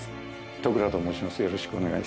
都倉と申します